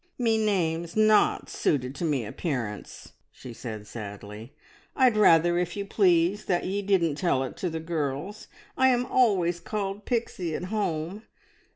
"Me name's not suited to me appearance," she said sadly. "I'd rather, if you please, that ye didn't tell it to the girls. I am always called Pixie at home.